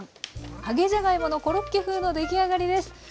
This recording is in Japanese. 揚げじゃがいものコロッケ風の出来上がりです。